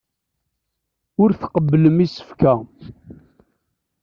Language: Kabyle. Ur tqebblem isefka.